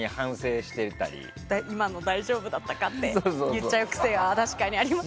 今の大丈夫だったかって言っちゃう癖があります。